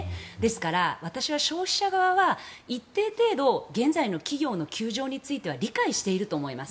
ですから私は消費者側は一定程度、現在の企業の窮状については理解していると思います。